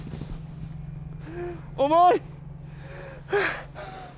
重い！